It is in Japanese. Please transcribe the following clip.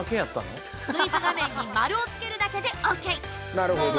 クイズ画面に丸をつけるだけでオーケー！